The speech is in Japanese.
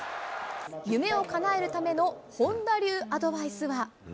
夢をかなえるための本田流アドバイスは。